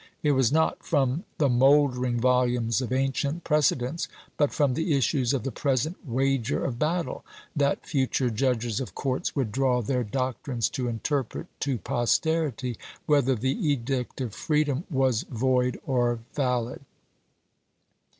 It was not from the moldering volumes of ancient precedents, but from the issues of the present wager of battle, that future judges of courts would draw their doctrines to interpret to posterity whether the Edict of Free dom was void or valid.